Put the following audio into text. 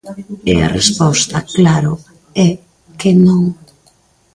E a resposta, claro, é que non.